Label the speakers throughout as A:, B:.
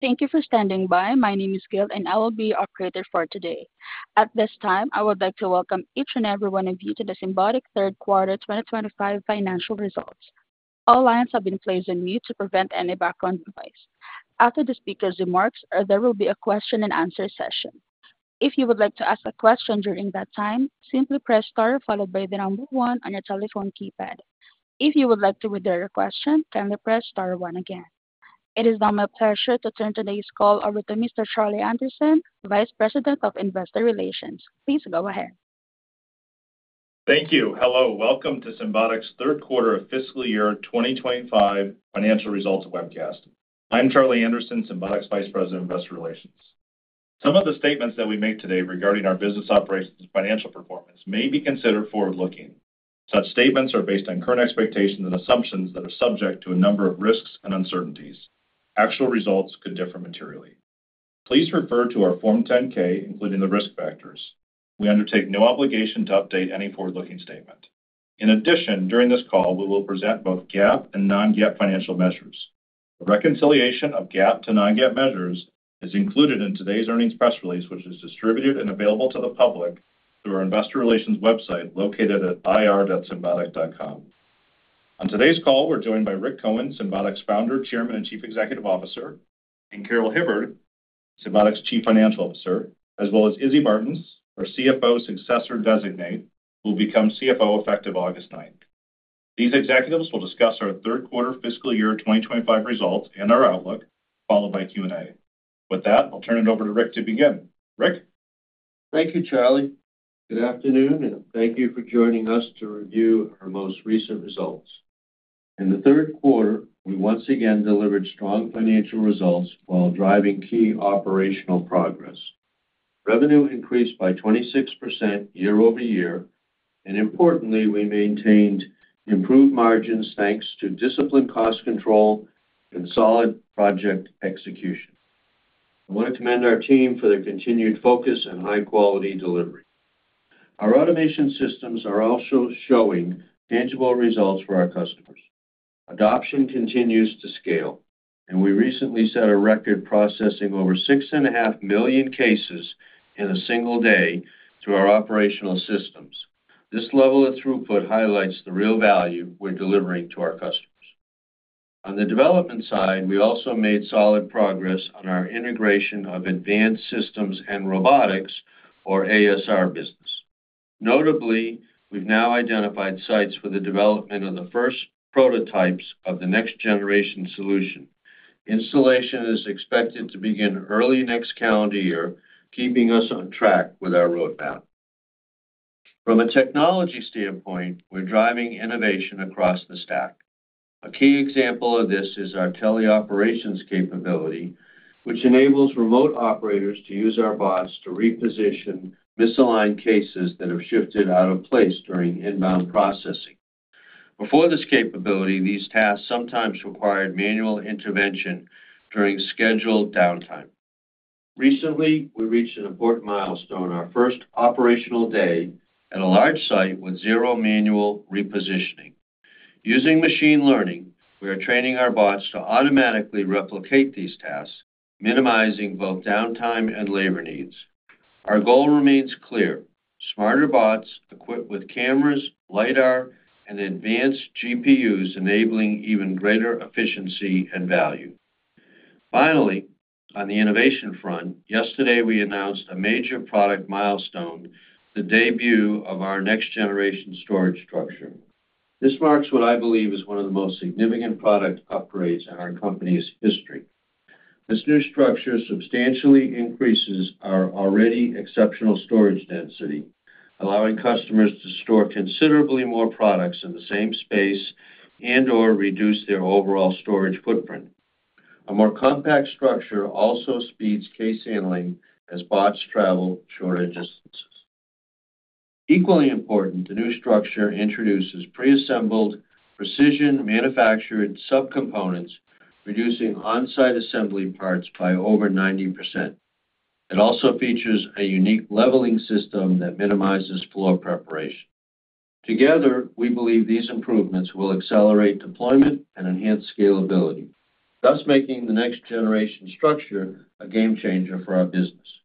A: Thank you for standing by. My name is Gail and I will be your operator for today. At this time, I would like to welcome each and every one of you to the Symbotic Third Quarter 2025 Financial Results. All lines have been placed on mute to prevent any background noise. After the speaker's remarks, there will be a question and answer session. If you would like to ask a question during that time, simply press star followed by the number one on your telephone keypad. If you would like to read your question, kindly press star one again. It is now my pleasure to turn today's call over to Mr. Charlie Anderson, Vice President of Investor Relations. Please go ahead.
B: Thank you. Hello, welcome to Symbotic's Third Quarter of Fiscal Year 2025 Financial Results webcast. I'm Charlie Anderson, Symbotic's Vice President of Investor Relations. Some of the statements that we make today regarding our business operations' financial performance may be considered forward-looking. Such statements are based on current expectations and assumptions that are subject to a number of risks and uncertainties. Actual results could differ materially. Please refer to our Form 10-K, including the risk factors. We undertake no obligation to update any forward-looking statement. In addition, during this call, we will present both GAAP and non-GAAP financial measures. The reconciliation of GAAP to non-GAAP measures is included in today's earnings press release, which is distributed and available to the public through our investor relations website located at ir.symbotic.com. On today's call, we're joined by Rick Cohen, Symbotic's Founder, Chairman, and Chief Executive Officer, and Carol Hibbard, Symbotic's Chief Financial Officer, as well as Izzy Martins, our CFO successor designate, who will become CFO effective August 9th. These executives will discuss our third quarter fiscal year 2025 results and our outlook, followed by Q&A. With that, I'll turn it over to Rick to begin. Rick?
C: Thank you, Charlie. Good afternoon, and thank you for joining us to review our most recent results. In the third quarter, we once again delivered strong financial results while driving key operational progress. Revenue increased by 26% year-over-year, and importantly, we maintained improved margins thanks to disciplined cost control and solid project execution. I want to commend our team for their continued focus and high-quality delivery. Our automation systems are also showing tangible results for our customers. Adoption continues to scale, and we recently set a record processing over 6.5 million cases in a single day through our operational systems. This level of throughput highlights the real value we're delivering to our customers. On the development side, we also made solid progress on our integration of Advanced Systems and Robotics, or ASR, business. Notably, we've now identified sites for the development of the first prototypes of the next-generation solution. Installation is expected to begin early next calendar year, keeping us on track with our roadmap. From a technology standpoint, we're driving innovation across the stack. A key example of this is our teleoperations capability, which enables remote operators to use our bots to reposition misaligned cases that have shifted out of place during inbound processing. Before this capability, these tasks sometimes required manual intervention during scheduled downtime. Recently, we reached an important milestone, our first operational day at a large site with zero manual repositioning. Using machine learning, we are training our bots to automatically replicate these tasks, minimizing both downtime and labor needs. Our goal remains clear: smarter bots equipped with cameras, LiDAR, and advanced GPUs, enabling even greater efficiency and value. Finally, on the innovation front, yesterday we announced a major product milestone: the debut of our next-generation storage structure. This marks what I believe is one of the most significant product upgrades in our company's history. This new structure substantially increases our already exceptional storage density, allowing customers to store considerably more products in the same space and/or reduce their overall storage footprint. A more compact structure also speeds case handling as bots travel shorter distances. Equally important, the new structure introduces pre-assembled, precision-manufactured subcomponents, reducing on-site assembly parts by over 90%. It also features a unique leveling system that minimizes floor preparation. Together, we believe these improvements will accelerate deployment and enhance scalability, thus making the next-generation structure a game changer for our business.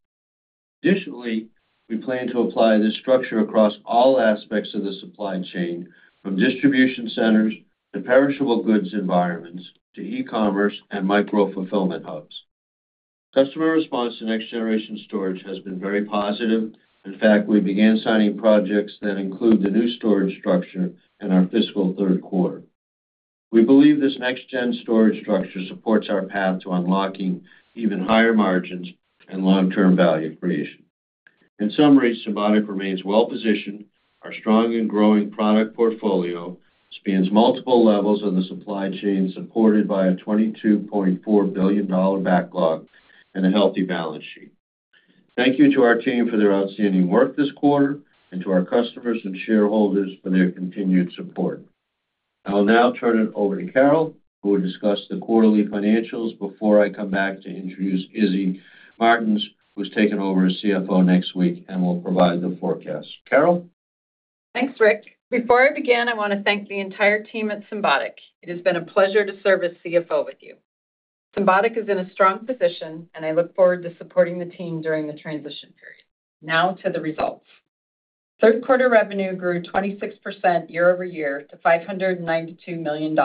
C: Additionally, we plan to apply this structure across all aspects of the supply chain, from distribution centers to perishable goods environments to e-commerce and micro-fulfillment hubs. Customer response to next-generation storage has been very positive. In fact, we began signing projects that include the new storage structure in our fiscal third quarter. We believe this next-gen storage structure supports our path to unlocking even higher margins and long-term value creation. In summary, Symbotic remains well-positioned. Our strong and growing product portfolio spans multiple levels on the supply chain, supported by a $22.4 billion backlog and a healthy balance sheet. Thank you to our team for their outstanding work this quarter and to our customers and shareholders for their continued support. I'll now turn it over to Carol, who will discuss the quarterly financials before I come back to introduce Izzy Martins, who's taken over as CFO next week and will provide the forecast. Carol?
D: Thanks, Rick. Before I begin, I want to thank the entire team at Symbotic. It has been a pleasure to serve as CFO with you. Symbotic is in a strong position, and I look forward to supporting the team during the transition period. Now to the results. Third quarter revenue grew 26% year-over-year to $592 million,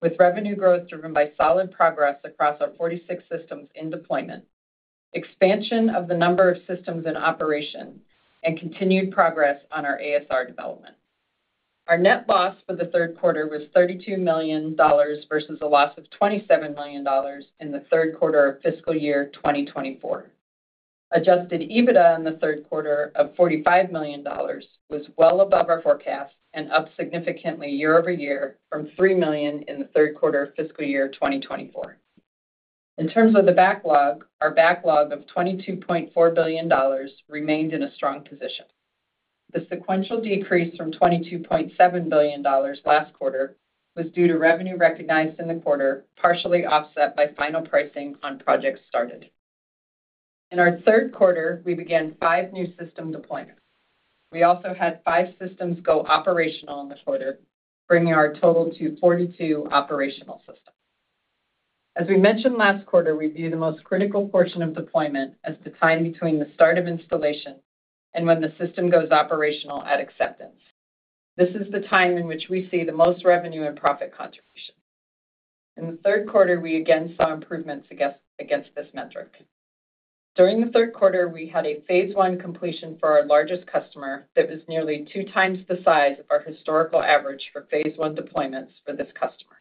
D: with revenue growth driven by solid progress across our 46 systems in deployment, expansion of the number of systems in operation, and continued progress on our ASR development. Our net loss for the third quarter was $32 million versus a loss of $27 million in the third quarter of fiscal year 2023. Adjusted EBITDA in the third quarter of $45 million was well above our forecast and up significantly year-over-year from $3 million in the third quarter of fiscal year 2023. In terms of the backlog, our backlog of $22.4 billion remained in a strong position. The sequential decrease from $22.7 billion last quarter was due to revenue recognized in the quarter, partially offset by final pricing on projects started. In our third quarter, we began five new system deployments. We also had five systems go operational in the quarter, bringing our total to 42 operational systems. As we mentioned last quarter, we view the most critical portion of deployment as the time between the start of installation and when the system goes operational at acceptance. This is the time in which we see the most revenue and profit contribution. In the third quarter, we again saw improvements against this metric. During the third quarter, we had a phase one completion for our largest customer that was nearly two times the size of our historical average for phase one deployments for this customer.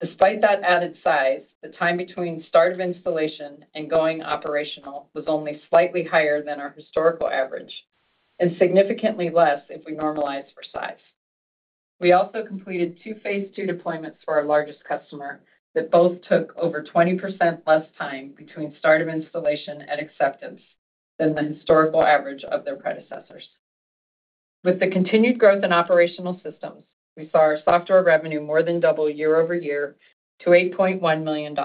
D: Despite that added size, the time between start of installation and going operational was only slightly higher than our historical average and significantly less if we normalize for size. We also completed two phase two deployments for our largest customer that both took over 20% less time between start of installation and acceptance than the historical average of their predecessors. With the continued growth in operational systems, we saw our software revenue more than double year-over-year to $8.1 million,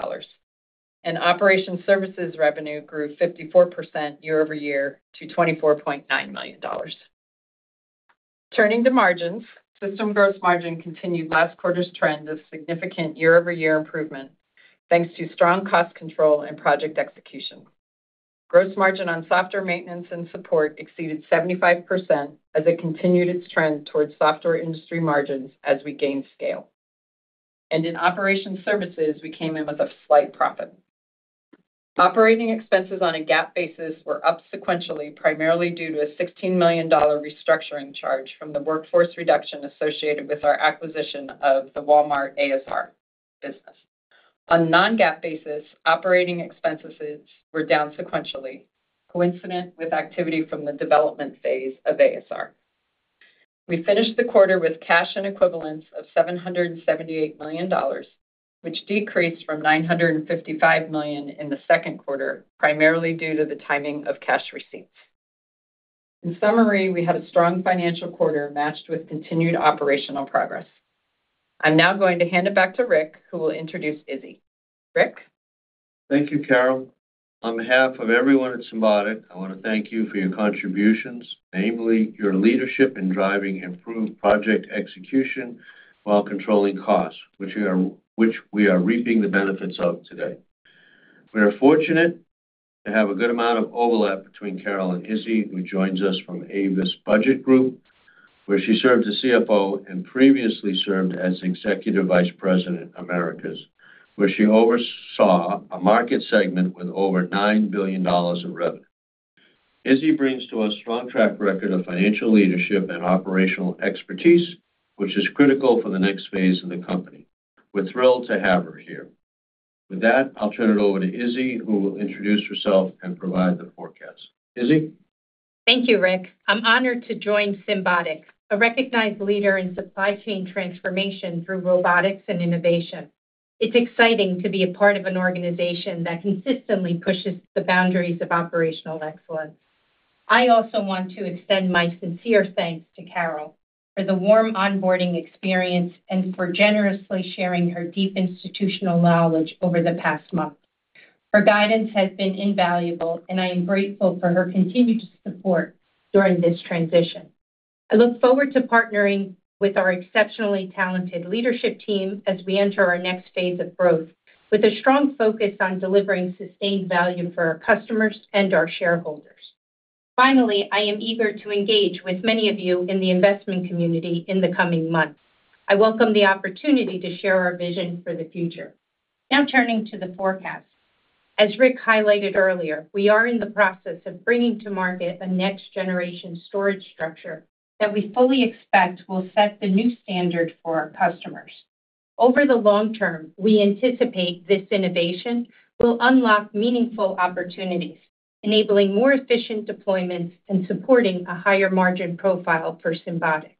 D: and operations services revenue grew 54% year-over-year to $24.9 million. Turning to margins, system gross margin continued last quarter's trend of significant year-over-year improvement thanks to strong cost control and project execution. Gross margin on software maintenance and support exceeded 75% as it continued its trend towards software industry margins as we gained scale. In operations services, we came in with a slight drop in. Operating expenses on a GAAP basis were up sequentially, primarily due to a $16 million restructuring charge from the workforce reduction associated with our acquisition of the Walmart ASR business. On a non-GAAP basis, operating expenses were down sequentially, coincident with activity from the development phase of ASR. We finished the quarter with cash and equivalents of $778 million, which decreased from $955 million in the second quarter, primarily due to the timing of cash receipts. In summary, we had a strong financial quarter matched with continued operational progress. I'm now going to hand it back to Rick, who will introduce Izzy. Rick?
C: Thank you, Carol. On behalf of everyone at Symbotic, I want to thank you for your contributions, namely your leadership in driving improved project execution while controlling costs, which we are reaping the benefits of today. We're fortunate to have a good amount of overlap between Carol and Izzy, who joins us from Avis Budget Group, where she served as CFO and previously served as Executive Vice President of Americas, where she oversaw a market segment with over $9 billion of revenue. Izzy brings to us a strong track record of financial leadership and operational expertise, which is critical for the next phase in the company. We're thrilled to have her here. With that, I'll turn it over to Izzy, who will introduce herself and provide the forecast. Izzy?
E: Thank you, Rick. I'm honored to join Symbotic, a recognized leader in supply chain transformation through robotics and innovation. It's exciting to be a part of an organization that consistently pushes the boundaries of operational excellence. I also want to extend my sincere thanks to Carol for the warm onboarding experience and for generously sharing her deep institutional knowledge over the past month. Her guidance has been invaluable, and I am grateful for her continued support during this transition. I look forward to partnering with our exceptionally talented leadership team as we enter our next phase of growth, with a strong focus on delivering sustained value for our customers and our shareholders. Finally, I am eager to engage with many of you in the investment community in the coming months. I welcome the opportunity to share our vision for the future. Now turning to the forecast. As Rick highlighted earlier, we are in the process of bringing to market a next-generation storage structure that we fully expect will set the new standard for our customers. Over the long term, we anticipate this innovation will unlock meaningful opportunities, enabling more efficient deployments and supporting a higher margin profile for Symbotic.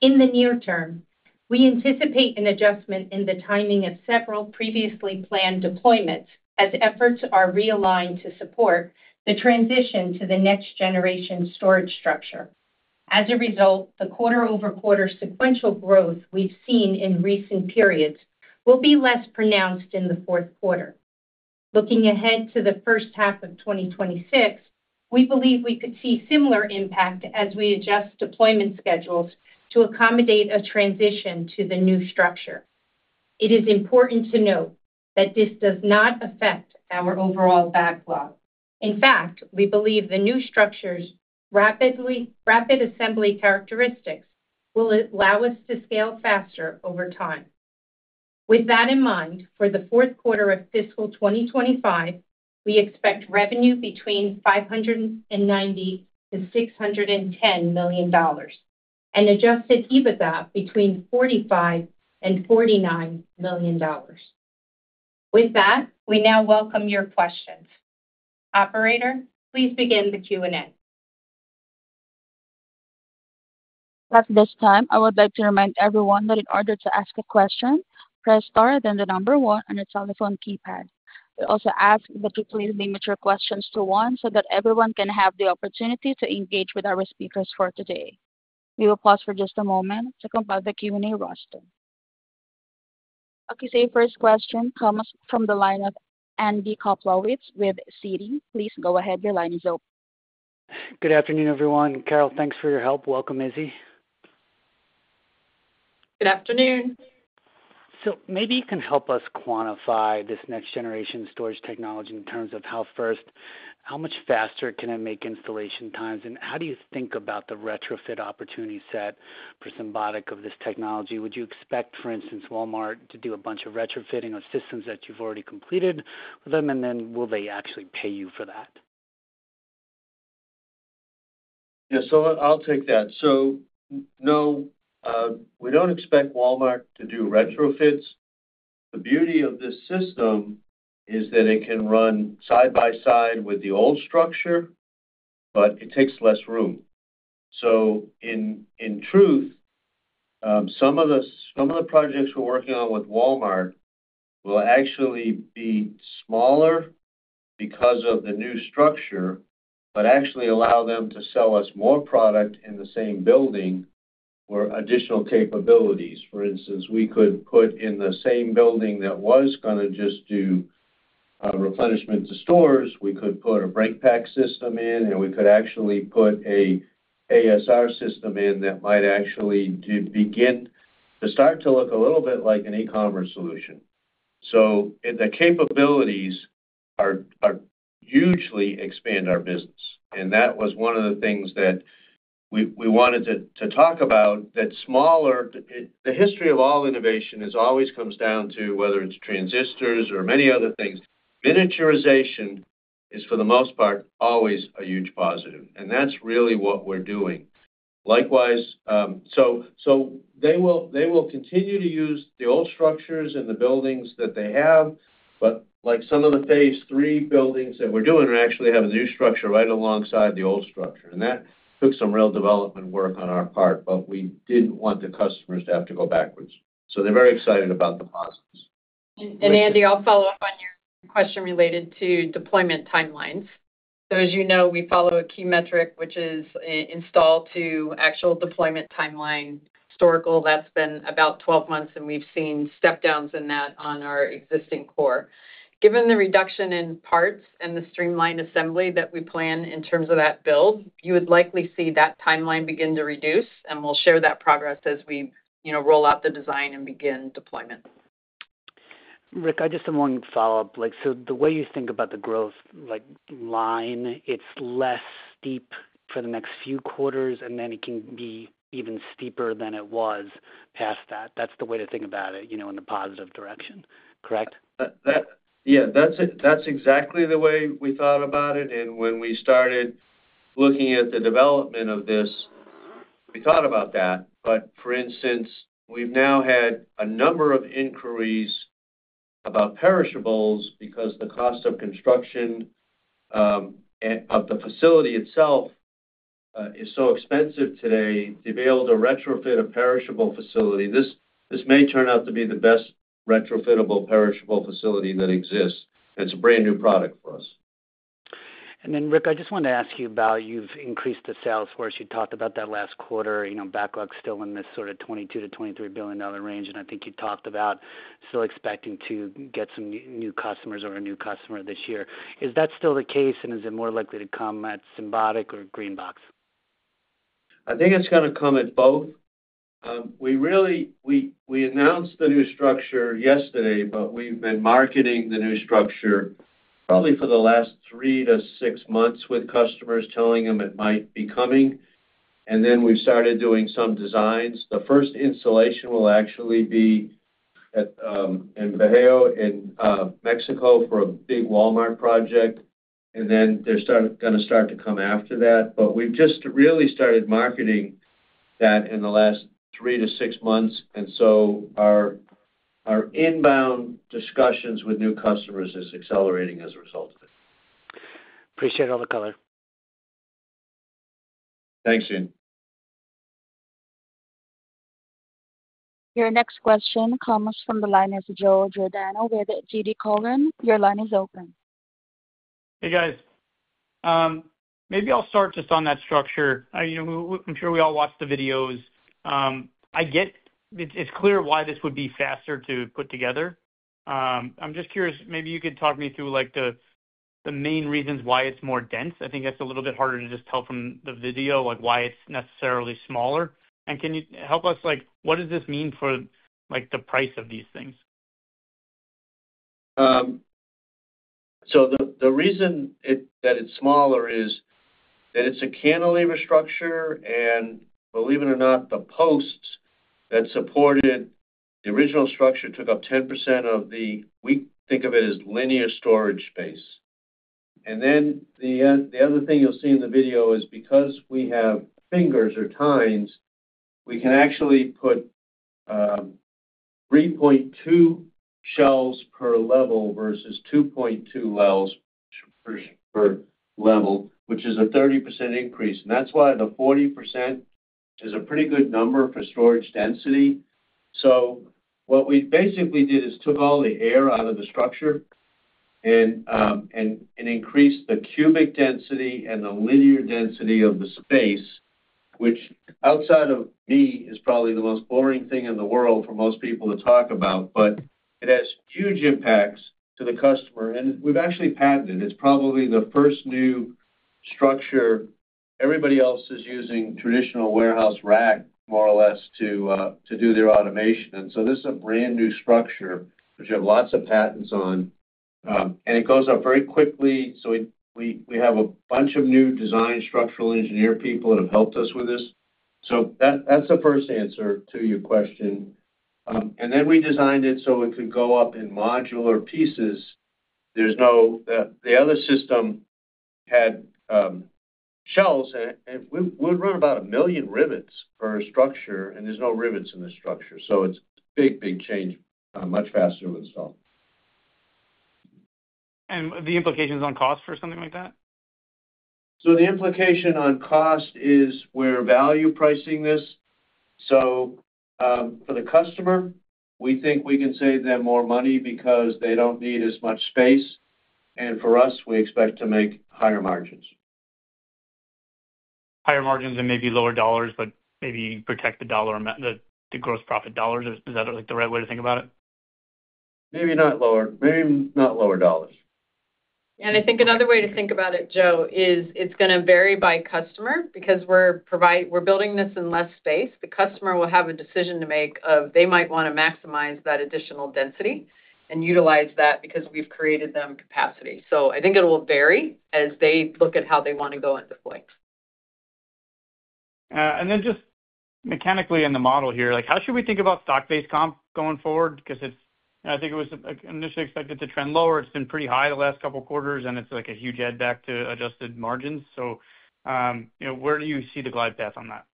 E: In the near term, we anticipate an adjustment in the timing of several previously planned deployments as efforts are realigned to support the transition to the next-generation storage structure. As a result, the quarter-over-quarter sequential growth we've seen in recent periods will be less pronounced in the fourth quarter. Looking ahead to the first half of 2026, we believe we could see similar impact as we adjust deployment schedules to accommodate a transition to the new structure. It is important to note that this does not affect our overall backlog. In fact, we believe the new structure's rapid assembly characteristics will allow us to scale faster over time. With that in mind, for the fourth quarter of fiscal 2025, we expect revenue between $590 million-$610 million and adjusted EBITDA between $45 million and $49 million. With that, we now welcome your questions. Operator, please begin the Q&A.
A: At this time, I would like to remind everyone that in order to ask a question, press star then the number one on the telephone keypad. We also ask that you place the image of questions to one so that everyone can have the opportunity to engage with our speakers for today. We will pause for just a moment to compile the Q&A roster. Okay, your first question comes from the line of Andy Kaplowitz with Citi. Please go ahead, your line is open.
F: Good afternoon, everyone. Carol, thanks for your help. Welcome, Izzy.
D: Good afternoon.
F: Can you help us quantify this next-generation storage technology in terms of how much faster it can make installation times? How do you think about the retrofit opportunity set for Symbotic of this technology? Would you expect, for instance, Walmart to do a bunch of retrofitting of systems that you've already completed with them, and then will they actually pay you for that?
C: Yeah, I'll take that. No, we don't expect Walmart to do retrofits. The beauty of this system is that it can run side by side with the old structure, but it takes less room. In truth, some of the projects we're working on with Walmart will actually be smaller because of the new structure, but actually allow them to sell us more product in the same building or additional capabilities. For instance, we could put in the same building that was going to just do replenishment to stores, we could put a break-pack system in, and we could actually put an ASR system in that might actually begin to start to look a little bit like an e-commerce solution. The capabilities are hugely expanding our business. That was one of the things that we wanted to talk about, that smaller, the history of all innovation always comes down to whether it's transistors or many other things. Miniaturization is, for the most part, always a huge positive. That's really what we're doing. Likewise, they will continue to use the old structures and the buildings that they have, but like some of the phase three buildings that we're doing actually have a new structure right alongside the old structure. That took some real development work on our part, but we didn't want the customers to have to go backwards. They're very excited about the positives.
D: Andy, I'll follow up on your question related to deployment timelines. As you know, we follow a key metric, which is install to actual deployment timeline. Historically, that's been about 12 months, and we've seen step-downs in that on our existing core. Given the reduction in parts and the streamlined assembly that we plan in terms of that build, you would likely see that timeline begin to reduce, and we'll share that progress as we roll out the design and begin deployment.
F: Rick, I just have one follow-up. The way you think about the growth line, it's less steep for the next few quarters, and then it can be even steeper than it was past that. That's the way to think about it, you know, in the positive direction, correct?
C: Yeah, that's exactly the way we thought about it. When we started looking at the development of this, we thought about that. For instance, we've now had a number of inquiries about perishables because the cost of construction of the facility itself is so expensive today to be able to retrofit a perishable facility. This may turn out to be the best retrofittable perishable facility that exists. It's a brand new product for us.
F: Rick, I just wanted to ask you about you've increased the sales force. You talked about that last quarter, backlog still in this sort of $22 billion-$23 billion range, and I think you talked about still expecting to get some new customers or a new customer this year. Is that still the case, and is it more likely to come at Symbotic or GreenBox?
C: I think it's going to come at both. We really announced the new structure yesterday, but we've been marketing the new structure probably for the last three to six months with customers, telling them it might be coming. We've started doing some designs. The first installation will actually be at Bajío in Mexico for a big Walmart project. They're going to start to come after that. We've just really started marketing that in the last three to six months, and our inbound discussions with new customers are accelerating as a result of it.
F: Appreciate all the color.
C: Thanks, Andy.
A: Your next question comes from the line of Joe Giordano with TD Cowen. Your line is open.
G: Hey, guys. Maybe I'll start just on that structure. I'm sure we all watched the videos. I get it's clear why this would be faster to put together. I'm just curious, maybe you could talk me through the main reasons why it's more dense. I think that's a little bit harder to just tell from the video, like why it's necessarily smaller. Can you help us, like what does this mean for the price of these things?
C: The reason that it's smaller is that it's a cantilever structure. Believe it or not, the posts that supported the original structure took up 10% of the, we think of it as linear storage space. The other thing you'll see in the video is because we have fingers or tines, we can actually put 3.2 shelves per level versus 2.2 shelves per level, which is a 30% increase. That's why the 40% is a pretty good number for storage density. What we basically did is took all the air out of the structure and increased the cubic density and the linear density of the space, which outside of me is probably the most boring thing in the world for most people to talk about. It has huge impacts to the customer. We've actually patented it. It's probably the first new structure. Everybody else is using traditional warehouse racks, more or less, to do their automation. This is a brand new structure, which we have lots of patents on. It goes up very quickly. We have a bunch of new design structural engineer people that have helped us with this. That's the first answer to your question. We designed it so it could go up in modular pieces. The other system had shelves, and we would run about 1 million rivets per structure, and there's no rivets in the structure. It's a big, big change, much faster to install.
G: Are the implications on cost for something like that?
C: The implication on cost is we're value pricing this. For the customer, we think we can save them more money because they don't need as much space. For us, we expect to make higher margins.
G: Higher margins and maybe lower dollars, but maybe protect the dollar or the gross profit dollars. Is that like the right way to think about it?
C: Maybe not lower, maybe not lower dollars.
D: I think another way to think about it, Joe, is it's going to vary by customer because we're providing, we're building this in less space. The customer will have a decision to make if they might want to maximize that additional density and utilize that because we've created them capacity. I think it will vary as they look at how they want to go and deploy.
G: Mechanically in the model here, how should we think about stock-based comp going forward? I think it was initially expected to trend lower. It's been pretty high the last couple of quarters, and it's a huge add-back to adjusted margins. Where do you see the glide path on that?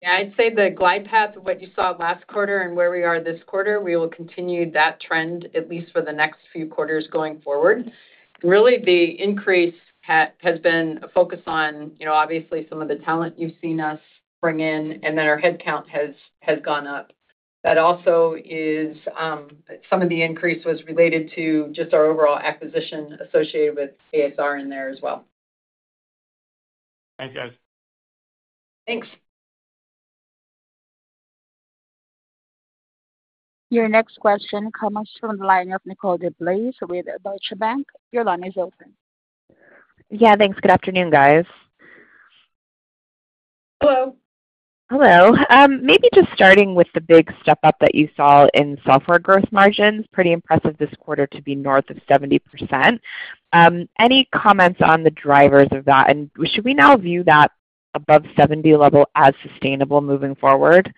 D: Yeah, I'd say the glide path of what you saw last quarter and where we are this quarter, we will continue that trend at least for the next few quarters going forward. Really, the increase has been a focus on, you know, obviously some of the talent you've seen us bring in, and then our headcount has gone up. That also is some of the increase was related to just our overall acquisition associated with ASR in there as well.
G: Thanks, guys.
A: Your next question comes from the line of Nicole DeBlase with Deutsche Bank. Your line is open.
H: Yeah, thanks. Good afternoon, guys.
D: Hello.
H: Hello. Maybe just starting with the big step-up that you saw in software gross margins, pretty impressive this quarter to be north of 70%. Any comments on the drivers of that? Should we now view that above 70% level as sustainable moving forward?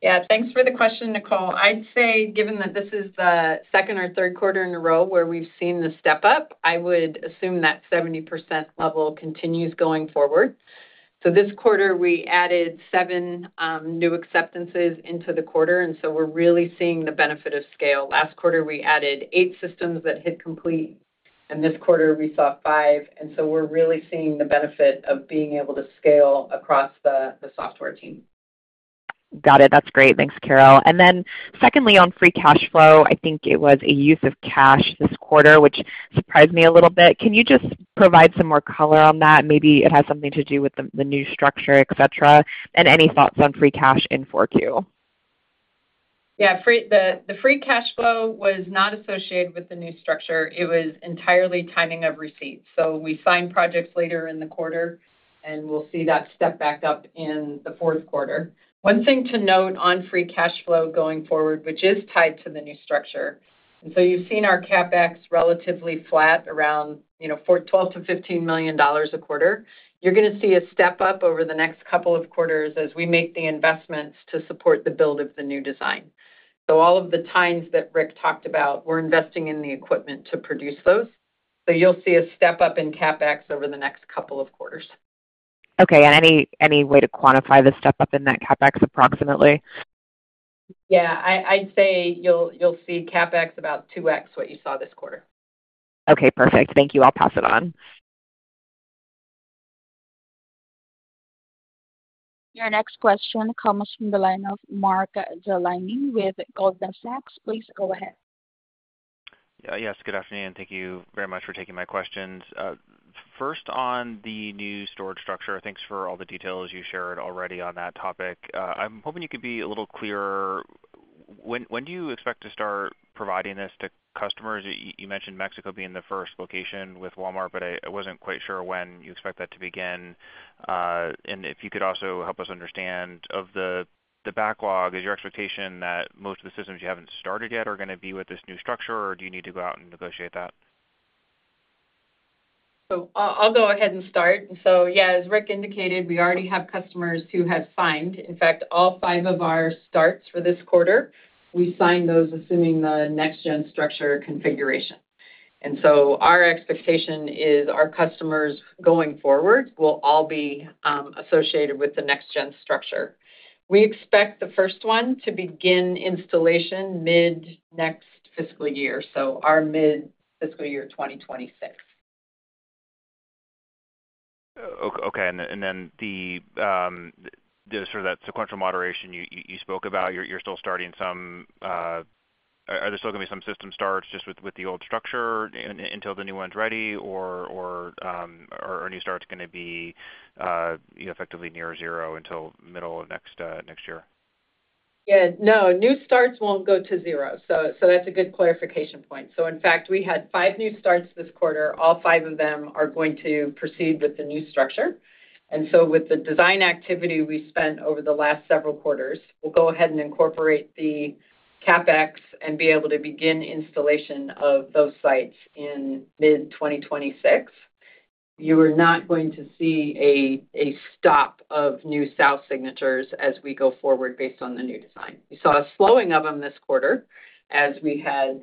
D: Yeah, thanks for the question, Nicole. I'd say given that this is the second or third quarter in a row where we've seen the step-up, I would assume that 70% level continues going forward. This quarter, we added seven new acceptances into the quarter, and we're really seeing the benefit of scale. Last quarter, we added eight systems that hit complete, and this quarter, we saw five. We're really seeing the benefit of being able to scale across the software team.
H: Got it. That's great. Thanks, Carol. Secondly, on free cash flow, I think it was a use of cash this quarter, which surprised me a little bit. Can you just provide some more color on that? Maybe it has something to do with the new structure, etc. Any thoughts on free cash in forecast?
D: Yeah, the free cash flow was not associated with the new structure. It was entirely timing of receipts. We signed projects later in the quarter, and we'll see that step back up in the fourth quarter. One thing to note on free cash flow going forward, which is tied to the new structure, is you've seen our CapEx relatively flat around $12 million-$15 million a quarter. You're going to see a step up over the next couple of quarters as we make the investments to support the build of the new design. All of the tines that Rick talked about, we're investing in the equipment to produce those. You'll see a step up in CapEx over the next couple of quarters.
H: Is there any way to quantify the step up in that CapEx approximately?
D: Yeah, I'd say you'll see CapEx about 2x what you saw this quarter.
H: Okay, perfect. Thank you. I'll pass it on.
A: Your next question comes from the line of Mark Delaney with Goldman Sachs. Please go ahead.
I: Yes. Good afternoon. Thank you very much for taking my questions. First, on the new storage structure, thanks for all the details you shared already on that topic. I'm hoping you could be a little clearer. When do you expect to start providing this to customers? You mentioned Mexico being the first location with Walmart, but I wasn't quite sure when you expect that to begin. If you could also help us understand of the backlog, is your expectation that most of the systems you haven't started yet are going to be with this new structure, or do you need to go out and negotiate that?
D: I'll go ahead and start. As Rick indicated, we already have customers who have signed, in fact, all five of our starts for this quarter. We signed those assuming the next-gen structure configuration. Our expectation is our customers going forward will all be associated with the next-gen structure. We expect the first one to begin installation mid-next fiscal year, so mid-fiscal year 2026.
I: Okay. The sort of that sequential moderation you spoke about, you're still starting some, are there still going to be some system starts just with the old structure until the new one's ready, or are new starts going to be effectively near zero until middle of next year?
D: Yeah, no, new starts won't go to zero. That's a good clarification point. In fact, we had five new starts this quarter. All five of them are going to proceed with the new structure. With the design activity we spent over the last several quarters, we'll go ahead and incorporate the CapEx and be able to begin installation of those sites in mid-2026. You are not going to see a stop of new sales signatures as we go forward based on the new design. We saw a slowing of them this quarter as we had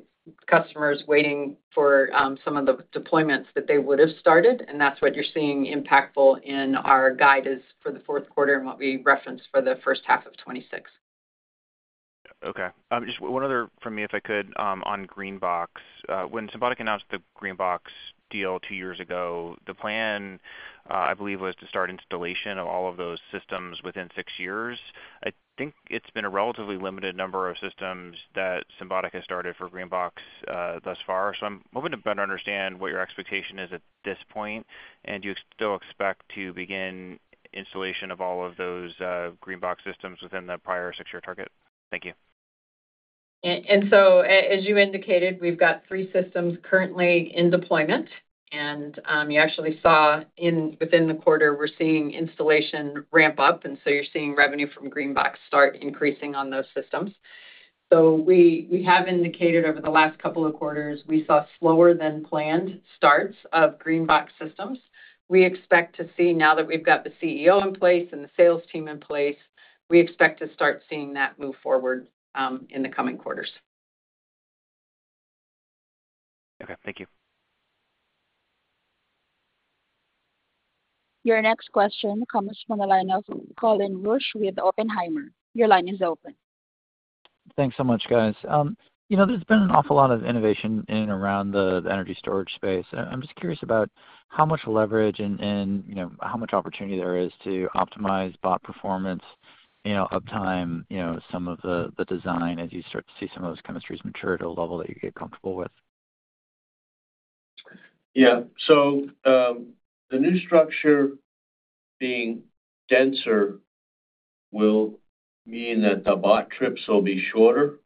D: customers waiting for some of the deployments that they would have started. That's what you're seeing impactful in our guide for the fourth quarter and what we referenced for the first half of 2026.
I: Yeah, okay. Just one other from me, if I could, on GreenBox. When Symbotic announced the GreenBox deal two years ago, the plan, I believe, was to start installation of all of those systems within six years. I think it's been a relatively limited number of systems that Symbotic has started for GreenBox thus far. I'm hoping to better understand what your expectation is at this point. Do you still expect to begin installation of all of those GreenBox systems within the prior six-year target? Thank you.
D: As you indicated, we've got three systems currently in deployment. You actually saw within the quarter, we're seeing installation ramp up, and you're seeing revenue from GreenBox start increasing on those systems. We have indicated over the last couple of quarters, we saw slower than planned starts of GreenBox systems. We expect to see, now that we've got the CEO in place and the sales team in place, we expect to start seeing that move forward in the coming quarters.
I: Okay, thank you.
A: Your next question comes from the line of Colin Rusch with Oppenheimer. Your line is open.
J: Thanks so much, guys. There's been an awful lot of innovation in and around the energy storage space. I'm just curious about how much leverage and how much opportunity there is to optimize bot performance, uptime, some of the design as you start to see some of those chemistries mature to a level that you get comfortable with.
C: Yeah. The new structure being denser will mean that the bot trips will be shorter.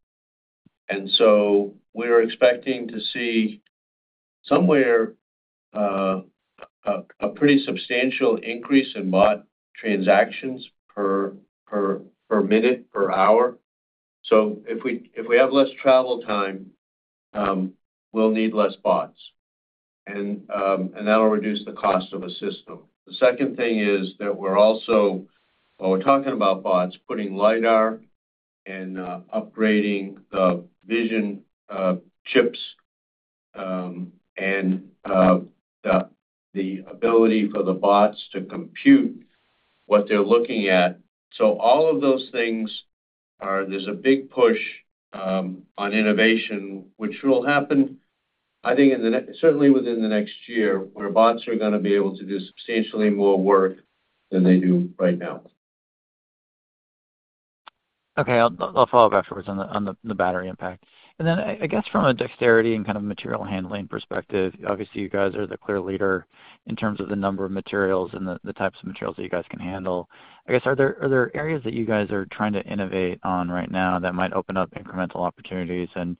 C: We are expecting to see somewhere a pretty substantial increase in bot transactions per minute, per hour. If we have less travel time, we'll need less bots, and that'll reduce the cost of a system. The second thing is that we're also, while we're talking about bots, putting LiDAR and upgrading the vision chips and the ability for the bots to compute what they're looking at. All of those things are, there's a big push on innovation, which will happen, I think, in the next, certainly within the next year, where bots are going to be able to do substantially more work than they do right now.
J: Okay. I'll follow up afterwards on the battery impact. From a dexterity and kind of material handling perspective, obviously, you guys are the clear leader in terms of the number of materials and the types of materials that you guys can handle. Are there areas that you guys are trying to innovate on right now that might open up incremental opportunities? Can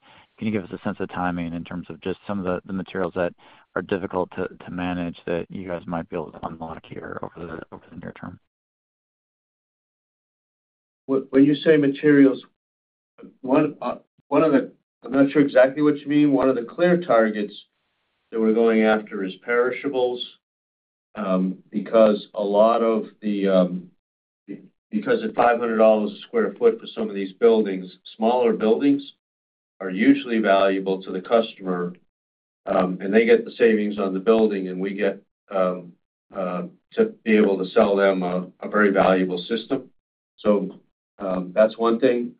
J: you give us a sense of timing in terms of just some of the materials that are difficult to manage that you guys might be able to unlock here over the near term?
C: When you say materials, what are the, I'm not sure exactly what you mean. One of the clear targets that we're going after is perishables because at $500 sq ft for some of these buildings, smaller buildings are usually valuable to the customer. They get the savings on the building, and we get to be able to sell them a very valuable system. That's one thing.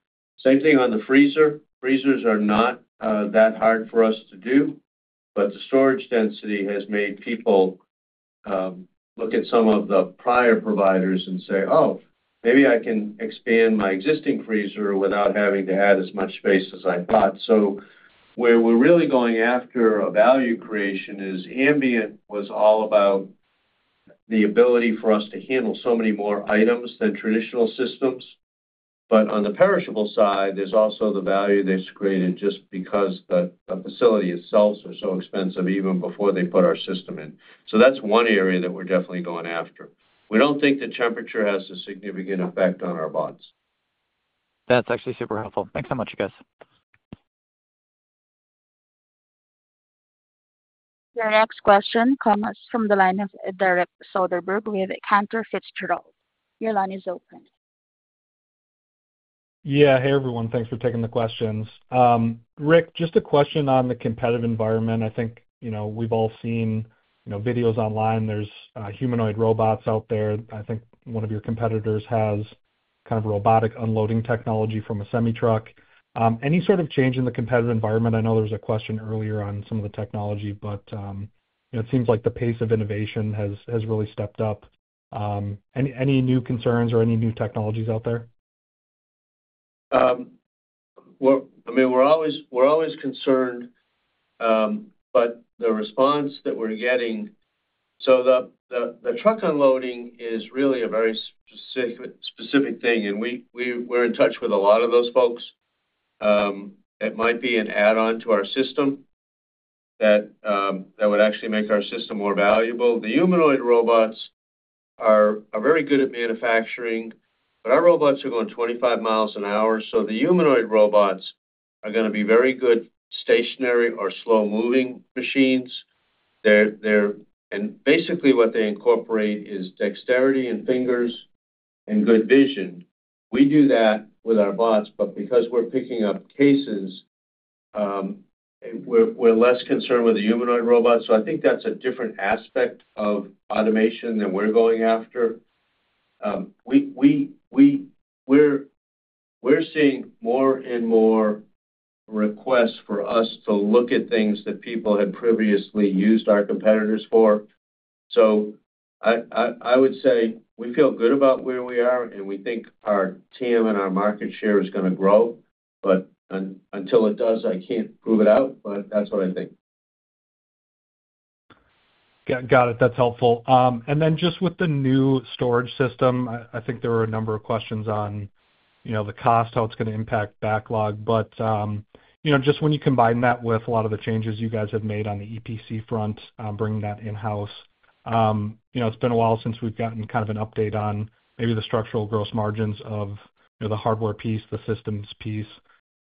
C: The same thing on the freezer. Freezers are not that hard for us to do, but the storage density has made people look at some of the prior providers and say, "Oh, maybe I can expand my existing freezer without having to add as much space as I thought." We're really going after a value creation. Ambient was all about the ability for us to handle so many more items than traditional systems. On the perishable side, there's also the value that's created just because the facility itself was so expensive even before they put our system in. That's one area that we're definitely going after. We don't think the temperature has a significant effect on our bots.
J: That's actually super helpful. Thanks so much, you guys.
A: Your next question comes from the line of Derek Soderberg with Cantor Fitzgerald. Your line is open.
K: Yeah. Hey, everyone. Thanks for taking the questions. Rick, just a question on the competitive environment. I think we've all seen videos online. There's humanoid robots out there. I think one of your competitors has kind of robotic unloading technology from a semi-truck. Any sort of change in the competitive environment? I know there was a question earlier on some of the technology, but it seems like the pace of innovation has really stepped up. Any new concerns or any new technologies out there?
C: We're always concerned, but the response that we're getting, the truck unloading is really a very specific thing. We're in touch with a lot of those folks. It might be an add-on to our system that would actually make our system more valuable. The humanoid robots are very good at manufacturing, but our robots are going 25 mi an hour. The humanoid robots are going to be very good stationary or slow-moving machines. Basically, what they incorporate is dexterity and fingers and good vision. We do that with our bots, but because we're picking up cases, we're less concerned with the humanoid robots. I think that's a different aspect of automation that we're going after. We're seeing more and more requests for us to look at things that people had previously used our competitors for. I would say we feel good about where we are, and we think our TAM and our market share is going to grow. Until it does, I can't prove it out, but that's what I think.
K: Got it. That's helpful. With the new storage system, I think there were a number of questions on the cost, how it's going to impact backlog. When you combine that with a lot of the changes you guys have made on the EPC front, bringing that in-house, it's been a while since we've gotten kind of an update on maybe the structural gross margins of the hardware piece, the systems piece.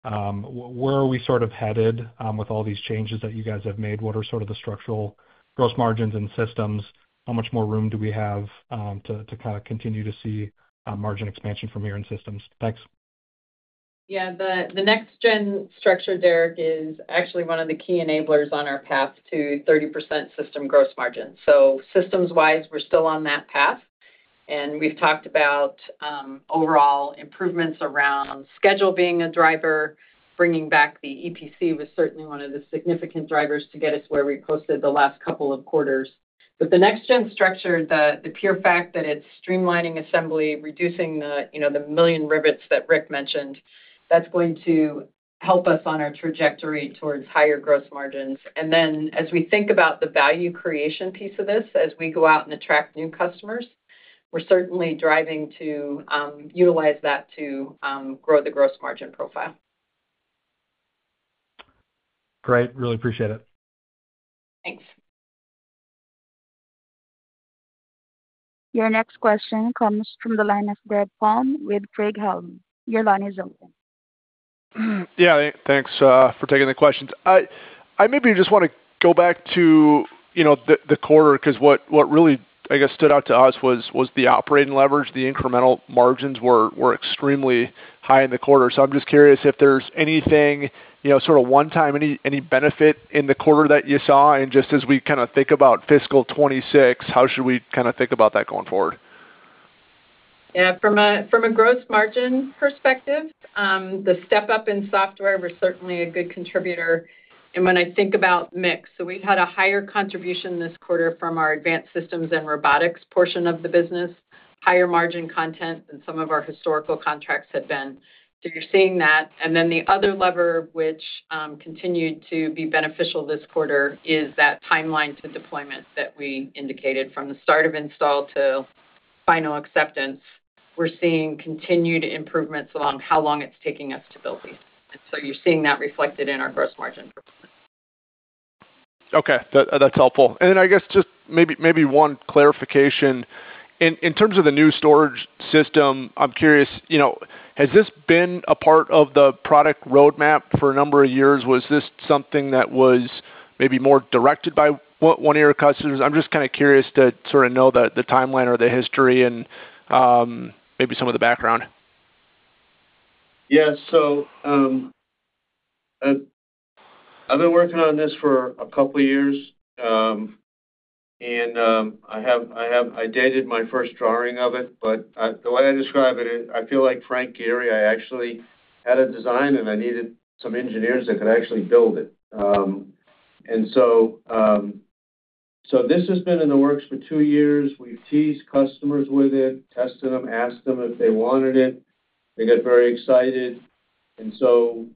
K: Where are we sort of headed with all these changes that you guys have made? What are the structural gross margins in systems? How much more room do we have to continue to see margin expansion from here in systems? Thanks.
D: Yeah, the next-gen structure, Derek, is actually one of the key enablers on our path to 30% system gross margins. Systems-wise, we're still on that path. We've talked about overall improvements around schedule being a driver. Bringing back the EPC was certainly one of the significant drivers to get us where we posted the last couple of quarters. The next-gen structure, the pure fact that it's streamlining assembly, reducing the, you know, the million rivets that Rick mentioned, that's going to help us on our trajectory towards higher gross margins. As we think about the value creation piece of this, as we go out and attract new customers, we're certainly driving to utilize that to grow the gross margin profile.
K: Great. Really appreciate it.
A: Your next question comes from the line of Greg Palm with Craig-Hallum. Your line is open.
L: Yeah, thanks for taking the questions. I maybe just want to go back to the quarter because what really stood out to us was the operating leverage. The incremental margins were extremely high in the quarter. I'm just curious if there's anything sort of one-time, any benefit in the quarter that you saw? Just as we kind of think about fiscal 2026, how should we kind of think about that going forward?
D: Yeah, from a gross margin perspective, the step-up in software was certainly a good contributor. When I think about the mix, we had a higher contribution this quarter from our Advanced Systems and Robotics portion of the business, higher margin content than some of our historical contracts had been. You're seeing that. The other lever, which continued to be beneficial this quarter, is that timeline to deployment that we indicated from the start of install to final acceptance. We're seeing continued improvements along how long it's taking us to build these, and you're seeing that reflected in our gross margin performance.
L: Okay. That's helpful. I guess just maybe one clarification. In terms of the new storage system, I'm curious, you know, has this been a part of the product roadmap for a number of years? Was this something that was maybe more directed by one of your customers? I'm just kind of curious to sort of know the timeline or the history and maybe some of the background.
C: Yeah, I've been working on this for a couple of years. I dated my first drawing of it, but the way I describe it is I feel like Frank Gehry actually had a design and I needed some engineers that could actually build it. This has been in the works for two years. We've teased customers with it, tested them, asked them if they wanted it. They get very excited.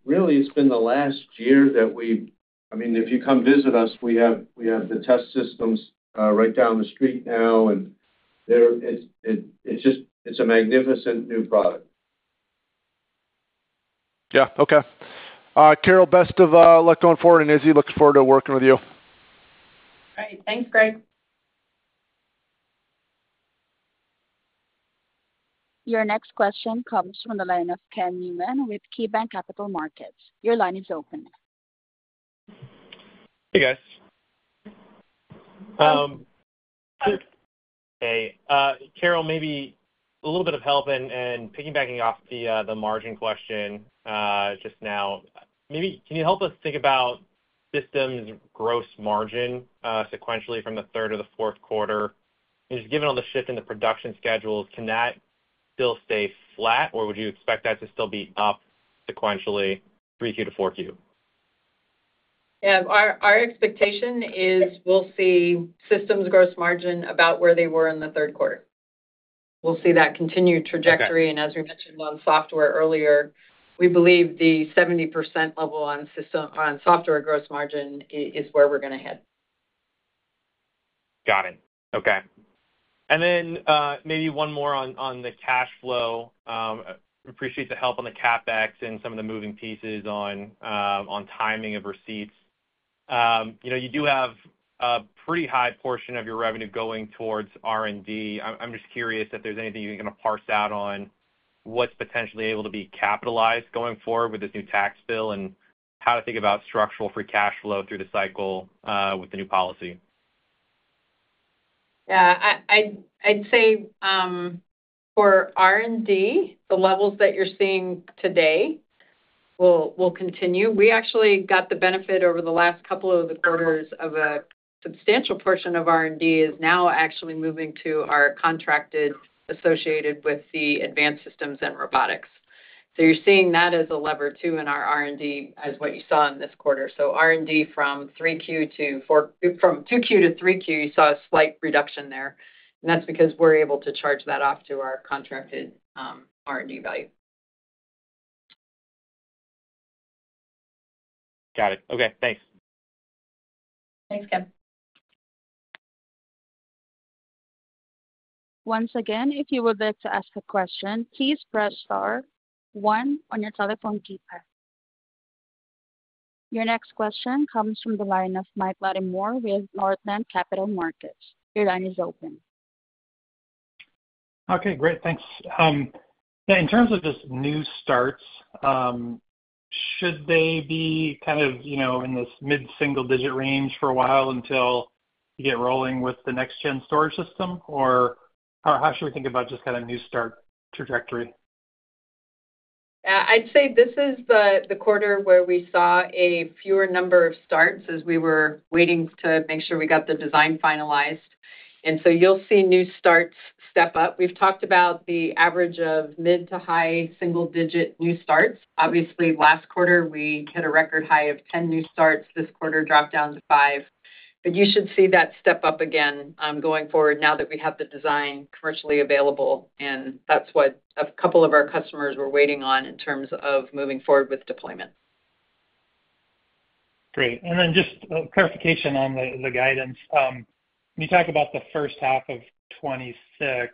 C: Really, it's been the last year that we, I mean, if you come visit us, we have the test systems right down the street now. It's just, it's a magnificent new product.
L: Okay. Carol, best of luck going forward. Izzy, looking forward to working with you.
D: All right. Thanks, Greg.
A: Your next question comes from the line of Ken Newman with KeyBanc Capital Markets. Your line is open.
M: Hey, guys. Hey, Carol, maybe a little bit of help in piggybacking off the margin question just now. Maybe can you help us think about systems gross margin sequentially from the third to the fourth quarter? Just given all the shift in the production schedules, can that still stay flat, or would you expect that to still be up sequentially 3Q to 4Q?
D: Yeah, our expectation is we'll see systems gross margin about where they were in the third quarter. We'll see that continued trajectory. As we mentioned on software earlier, we believe the 70% level on software gross margin is where we're going to head.
M: Got it. Okay. Maybe one more on the cash flow. I appreciate the help on the CapEx and some of the moving pieces on timing of receipts. You do have a pretty high portion of your revenue going towards R&D. I'm just curious if there's anything you can kind of parse out on what's potentially able to be capitalized going forward with this new tax bill and how to think about structural free cash flow through the cycle with the new policy.
D: Yeah, I'd say for R&D, the levels that you're seeing today will continue. We actually got the benefit over the last couple of quarters of a substantial portion of R&D is now actually moving to our contracted associated with the Advanced Systems and Robotics. You're seeing that as a lever too in our R&D as what you saw in this quarter. R&D from 2Q to 3Q, you saw a slight reduction there, and that's because we're able to charge that off to our contracted R&D value.
M: Got it. Okay, thanks.
D: Thanks, Ken.
A: Once again, if you would like to ask a question, please press star one on your telephone keypad. Your next question comes from the line of Mike Latimore with Northland Capital Markets. Your line is open.
N: Okay, great. Thanks. In terms of just new starts, should they be kind of, you know, in this mid-single-digit range for a while until you get rolling with the next-gen storage structure, or how should we think about just kind of new start trajectory?
D: I'd say this is the quarter where we saw a fewer number of starts as we were waiting to make sure we got the design finalized. You will see new starts step up. We've talked about the average of mid to high single-digit new starts. Obviously, last quarter, we hit a record high of 10 new starts. This quarter dropped down to 5. You should see that step up again going forward now that we have the design commercially available. That is what a couple of our customers were waiting on in terms of moving forward with deployment.
N: Great. Just a clarification on the guidance. When you talk about the first half of 2026,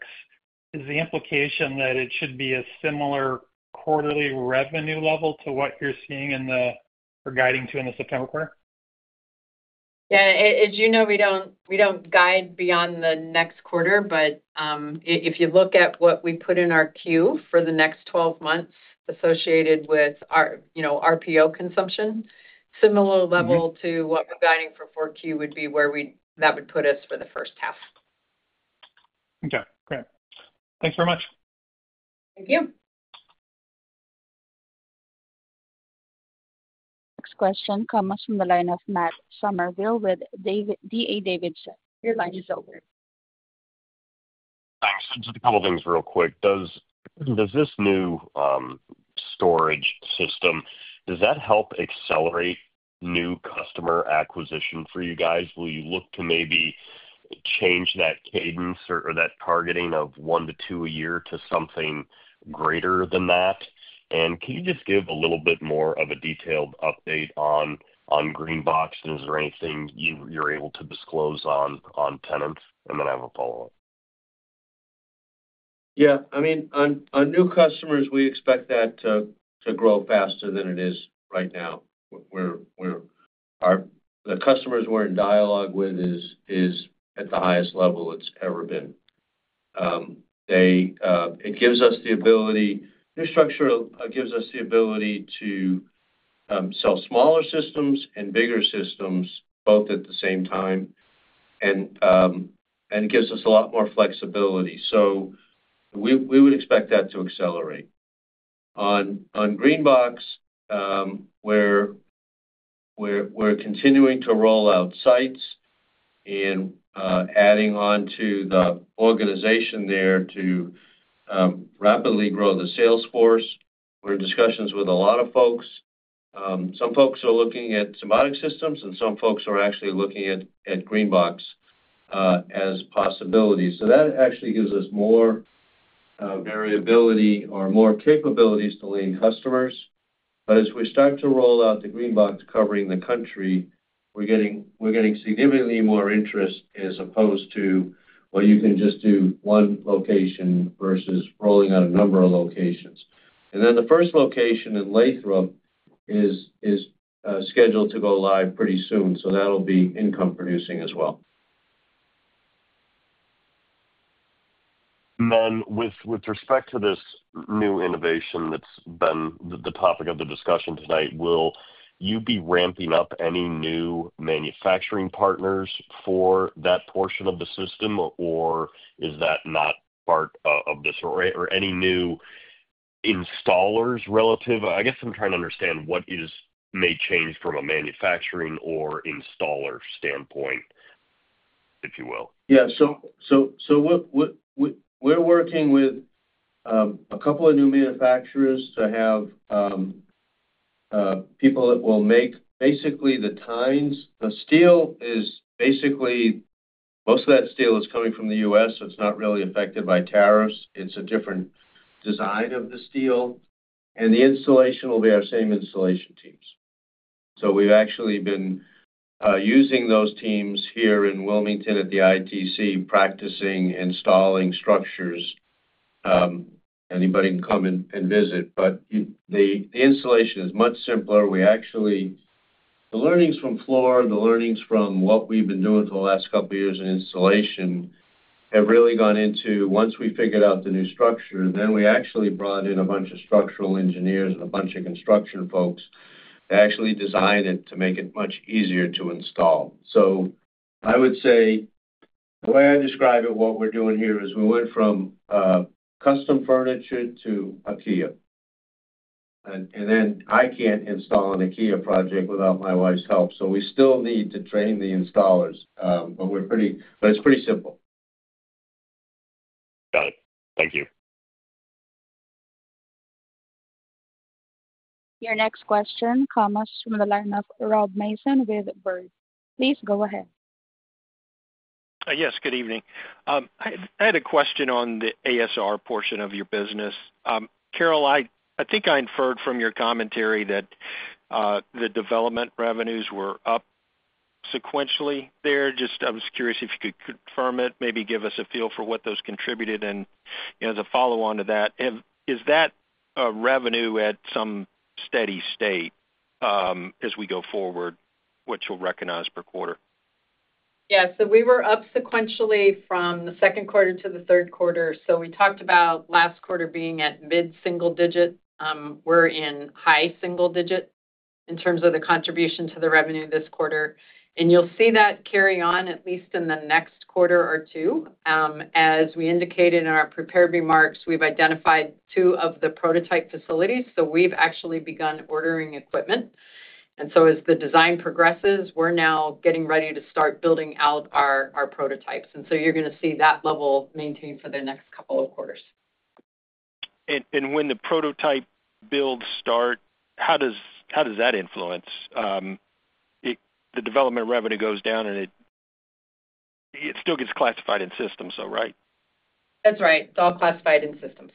N: is the implication that it should be a similar quarterly revenue level to what you're seeing in or guiding to in the September quarter?
D: Yeah, as you know, we don't guide beyond the next quarter, but if you look at what we put in our queue for the next 12 months associated with our RPO consumption, similar level to what we're guiding for 4Q would be where that would put us for the first half.
N: Okay. Thanks very much.
D: Thank you.
A: Next question comes from the line of Matt Sumerville with D.A. Davidson. Your line is open.
O: Hi, just a couple of things real quick. Does this new storage system, does that help accelerate new customer acquisition for you guys? Will you look to maybe change that cadence or that targeting of one to two a year to something greater than that? Can you just give a little bit more of a detailed update on GreenBox? Is there anything you're able to disclose on tenants? I have a follow-up.
C: Yeah, I mean, on new customers, we expect that to grow faster than it is right now. The customers we're in dialogue with is at the highest level it's ever been. It gives us the ability—the new structure gives us the ability to sell smaller systems and bigger systems both at the same time. It gives us a lot more flexibility. We would expect that to accelerate. On GreenBox, we're continuing to roll out sites and adding on to the organization there to rapidly grow the sales force. We're in discussions with a lot of folks. Some folks are looking at Symbotic systems, and some folks are actually looking at GreenBox as a possibility. That actually gives us more variability or more capabilities to lean customers. As we start to roll out the GreenBox covering the country, we're getting significantly more interest as opposed to, you can just do one location versus rolling out a number of locations. The first location in Lathrop is scheduled to go live pretty soon. That'll be income-producing as well.
O: With respect to this new innovation that's been the topic of the discussion tonight, will you be ramping up any new manufacturing partners for that portion of the system, or is that not part of this? Or any new installers relative? I guess I'm trying to understand what may change from a manufacturing or installer standpoint, if you will.
C: Yeah, so we're working with a couple of new manufacturers to have people that will make basically the tines. The steel is basically most of that steel is coming from the U.S., so it's not really affected by tariffs. It's a different design of the steel. The installation will be our same installation teams. We've actually been using those teams here in Wilmington at the ITC practicing installing structures. Anybody can come and visit. The installation is much simpler. The learnings from floor, the learnings from what we've been doing for the last couple of years in installation have really gone into once we figured out the new structure, then we actually brought in a bunch of structural engineers and a bunch of construction folks to actually design it to make it much easier to install. I would say the way I describe it, what we're doing here is we went from custom furniture to IKEA. I can't install an IKEA project without my wife's help. We still need to train the installers, but it's pretty simple.
O: Got it. Thank you.
A: Your next question comes from the line of Rob Mason with Baird. Please go ahead.
P: Yes, good evening. I had a question on the ASR portion of your business. Carol, I think I inferred from your commentary that the development revenues were up sequentially there. I was curious if you could confirm it, maybe give us a feel for what those contributed. As a follow-on to that, is that a revenue at some steady state as we go forward, what you'll recognize per quarter?
D: Yeah, we were up sequentially from the second quarter to the third quarter. We talked about last quarter being at mid-single digit. We're in high single digit in terms of the contribution to the revenue this quarter, and you'll see that carry on at least in the next quarter or two. As we indicated in our prepared remarks, we've identified two of the prototype facilities. We've actually begun ordering equipment. As the design progresses, we're now getting ready to start building out our prototypes, and you're going to see that level maintained for the next couple of quarters.
P: When the prototype builds start, how does that influence? The development revenue goes down, and it still gets classified in systems, right?
D: That's right. It's all classified in systems.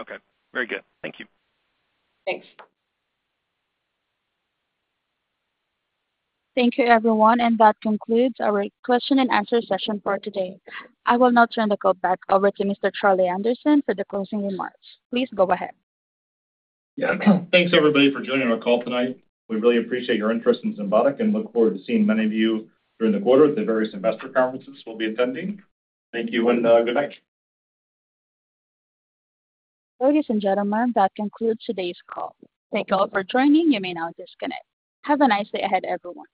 P: Okay, very good. Thank you.
A: Thank you, everyone. That concludes our question and answer session for today. I will now turn the call back over to Mr. Charlie Anderson for the closing remarks. Please go ahead.
B: Yeah, thanks, everybody, for joining our call tonight. We really appreciate your interest in Symbotic and look forward to seeing many of you during the quarter at the various investor conferences we'll be attending. Thank you and good night.
A: Ladies and gentlemen, that concludes today's call. Thank you all for joining. You may now disconnect. Have a nice day ahead, everyone.